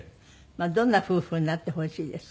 どんな夫婦になってほしいですか？